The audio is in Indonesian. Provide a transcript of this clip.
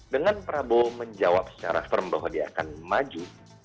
dengan prabowo menjawab secara firm bahwa dia akan maju